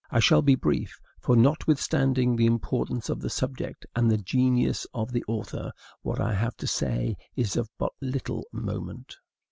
I shall be brief; for, notwithstanding the importance of the subject and the genius of the author, what I have to say is of but little moment.